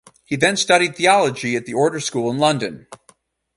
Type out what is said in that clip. He then studied theology at the order's school in London.